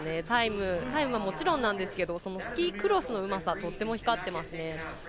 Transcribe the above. タイムはもちろんなんですけどスキークロスのうまさとても光ってますね。